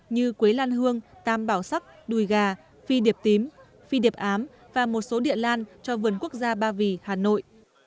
như quế lan hương tam bảo sắc đùi gà phi điệp tím phi điệp ám và một số địa lan cho vườn quốc gia ba vì hà nội